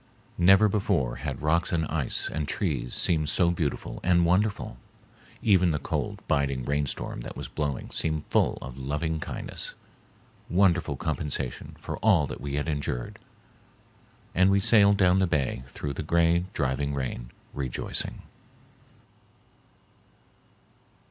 Never before had rocks and ice and trees seemed so beautiful and wonderful, even the cold, biting rainstorm that was blowing seemed full of loving kindness, wonderful compensation for all that we had endured, and we sailed down the bay through the gray, driving rain rejoicing.